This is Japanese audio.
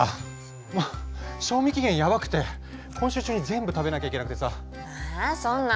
もう賞味期限やばくて今週中に全部食べなきゃいけなくてさ。